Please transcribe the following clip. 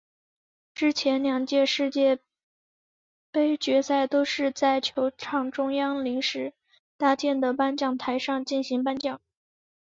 之前两届世界杯决赛都是在球场中央临时搭建的颁奖台上进行颁奖。